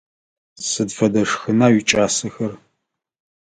Сыд фэдэ шхынха уикӏасэхэр?